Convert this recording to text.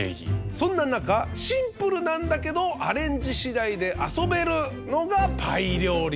そんな中「シンプルなんだけどアレンジしだいで遊べる」のがパイ料理なわけよ。